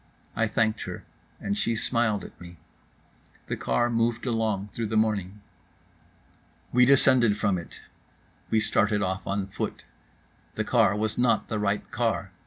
I thanked her, and she smiled at me. The car moved along through the morning. We descended from it. We started off on foot. The car was not the right car.